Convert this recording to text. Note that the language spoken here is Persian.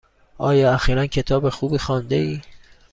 آیا اخیرا کتاب خوبی خوانده ای؟